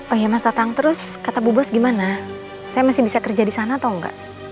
oh ya mas tatang terus kata bu bos gimana saya masih bisa kerja di sana atau enggak